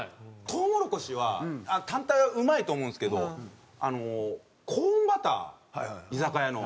とうもろこしは単体はうまいと思うんですけどあのコーンバター居酒屋の。